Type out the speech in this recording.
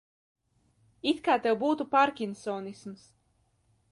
It kā tev būtu pārkinsonisms.